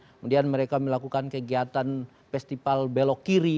kemudian mereka melakukan kegiatan festival belok kiri